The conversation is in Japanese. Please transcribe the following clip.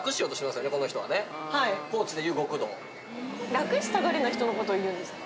楽したがりな人のことを言うんですか？